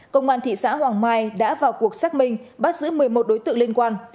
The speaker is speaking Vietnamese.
công an thị xã hoàng mai đã vào cuộc xác minh bắt giữ một mươi một đối tượng liên quan